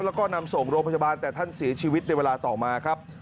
แล้วก็นำส่งโรงพยาบาลแต่ท่านเสียชีวิตในเวลาต่อมาครับ